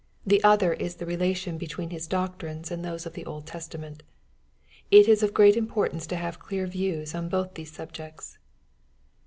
The other is the relation between His doctrines and those of the Old Testament. It is of great importance to have clear views on both these subjects.